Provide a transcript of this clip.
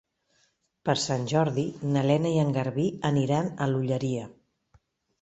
Per Sant Jordi na Lena i en Garbí aniran a l'Olleria.